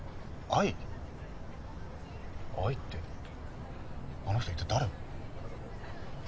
愛ってあの人一体誰を。